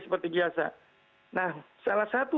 seperti biasa nah salah satu